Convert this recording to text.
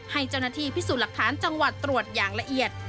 ให้เจ้าหน้าที่พิสูจน์หลักฐานจังหวัดตรวจอย่างละเอียด